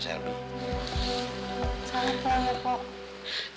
salam salam ya pok